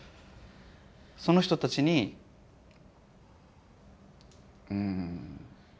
その人たちにうん。